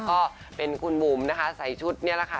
ก็เป็นคุณบุ๋มนะคะใส่ชุดนี่แหละค่ะ